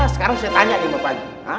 sekarang saya tanya nih pak haji